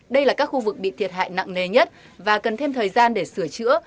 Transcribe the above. đây là các khu vực bị thiệt hại nặng nề nhất và cần thêm thời gian để sửa chữa